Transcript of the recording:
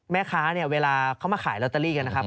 แม่ค้าเนี่ยเวลาเขามาขายลอตเตอรี่กันนะครับ